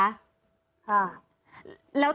ค่ะ